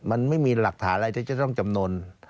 มันไม่มีหลักฐานอะไรที่จะต้องจำนวน